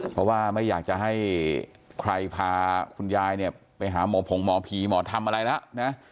เพราะว่าไม่อยากจะให้ใครพาคุณยายเนี่ยไปหาหมอผงหมอผีหมอทำอะไรแล้วนะ